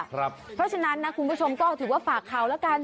เพราะฉะนั้นนะคุณผู้ชมก็ถือว่าฝากข่าวแล้วกัน